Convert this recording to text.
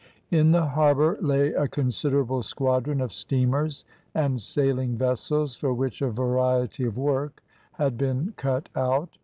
In the harbour lay a considerable squadron of steamers and sailing vessels, for which a variety of work had been cut out.